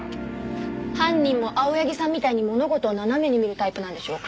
犯人も青柳さんみたいに物事を斜めに見るタイプなんでしょうか？